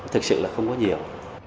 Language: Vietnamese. thực sự là không có nhiều